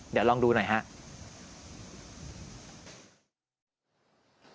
เดี๋ยวลองดูหน่อยครับ